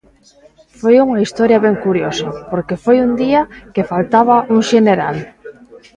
Foi unha historia ben curiosa, porque foi un día que faltaba un xeneral.